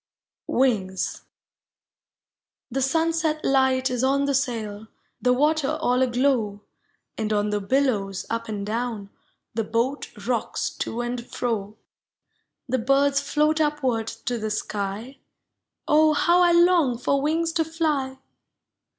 WINGS. The sunset light is on the sail. The water all aglow. And on the billows up and down The boat rocks to and fro; The birds float upward to the sky — Oh, how I long for wings to tly!